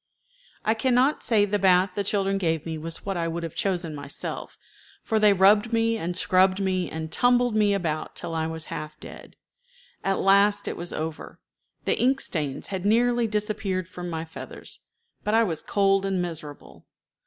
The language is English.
I can not say the bath the children gave me was what I would have chosen myself, for they rubbed me and scrubbed me and tumbled me about till I was half dead. At last it was over. The ink stains had nearly disappeared from my feathers, but I was cold and miserable.